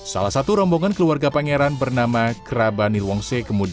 salah satu rombongan keluarga pangeran bernama krabanilwakar